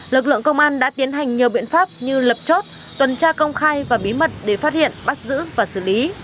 lực lượng công an đã tiến hành nhiều biện pháp như lập chốt tuần tra công khai và bí mật để phát hiện bắt giữ và xử lý